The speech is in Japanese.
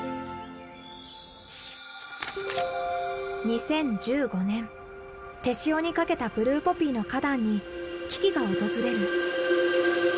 ２０１５年手塩にかけたブルーポピーの花壇に危機が訪れる。